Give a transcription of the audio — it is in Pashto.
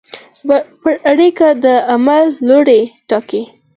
پرېکړه د عمل لوری ټاکي.